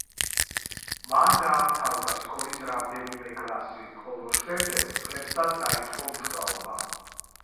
მან დაამთავრა სკოლის რამდენიმე კლასი, ხოლო შემდეგ მწყემსად დაიწყო მუშაობა.